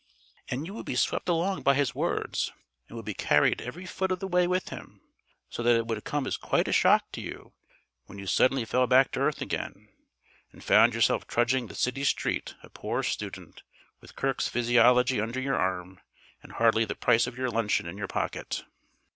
And you would be swept along by his words, and would be carried every foot of the way with him, so that it would come as quite a shock to you when you suddenly fell back to earth again, and found yourself trudging the city street a poor student, with Kirk's Physiology under your arm, and hardly the price of your luncheon in your pocket.